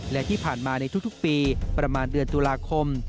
และที่ผ่านมาในทุกปีประมาณเดือนตุลาคม